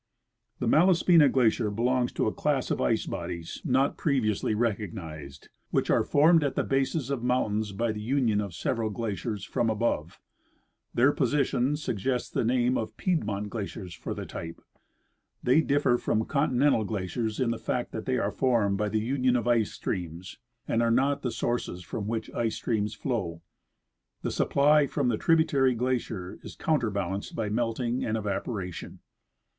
The, Malaspina glacier belongs to a class of ice bodies not pre 122 /. C. Russell — Expedition to Mount St. Elias. vionsly recognized, which are formed at the bases of mountains by the union of several glaciers from above. Their position sug gests the name of Piedmont glaciers for the type. They differ from continental glaciers in the fact that they are formed by the union of ice streams and are not the sources from which ice streams flow. The supply from the tributary glacier is counter balanced by melting and evaporation.